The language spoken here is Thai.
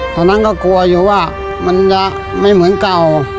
ตอนนั้นก็กลัวอยู่ว่ามันจะไม่เหมือนเก่า